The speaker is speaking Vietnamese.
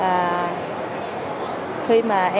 và khi mà em